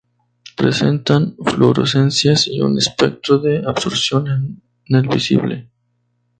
Presentan fluorescencia y un espectro de absorción en el visible.